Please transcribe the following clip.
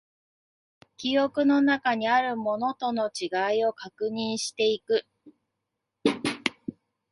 記憶の中にあるものとの違いを確認していく